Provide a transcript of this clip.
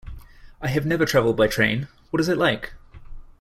I have never traveled by train, what is it like?